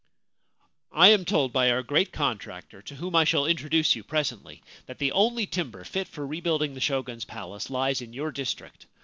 ' I am told by our great contractor, to whom I shall introduce you presently, that the only timber fit for rebuilding the Shogun's palace lies in your district.